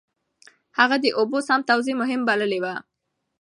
هغه د اوبو سم توزيع مهم بللی و.